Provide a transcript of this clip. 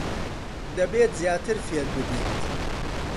دەبێت زیاتر فێر ببیت.